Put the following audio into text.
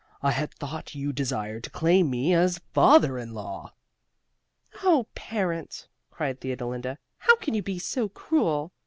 I had thought you desired to claim me as father in law." "Oh, Parent!" cried Theodolinda; "How can you be so cruel?